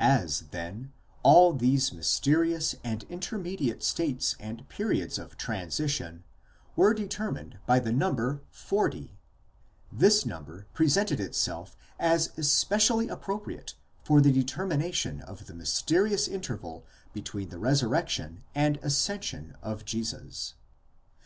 As, then, all these mysterious intermediate states and periods of transition were determined by the number forty : this number presented itself as especially appropriate for the deter mination of the mysterious interval between the resurrection and ascension of Jesus."